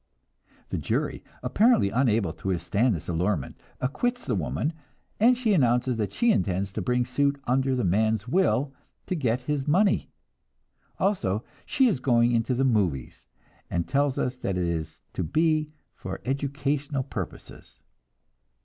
The jury, apparently unable to withstand this allurement, acquits the woman, and she announces that she intends to bring suit under the man's will to get his money! Also, she is going into the "movies," and tells us that it is to be "for educational purposes."